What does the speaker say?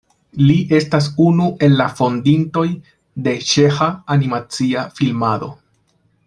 Li estas unu el la fondintoj de la ĉeĥa animacia filmado.